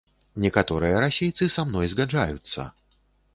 Некаторыя расейцы са мной згаджаюцца.